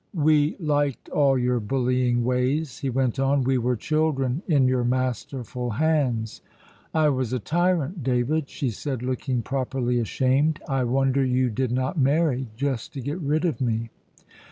"We liked all your bullying ways," he went on. "We were children in your masterful hands." "I was a tyrant, David," she said, looking properly ashamed. "I wonder you did not marry, just to get rid of me."